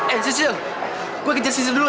eh sisil gue kejar sisil dulu ya